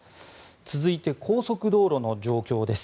続いて高速道路の状況です。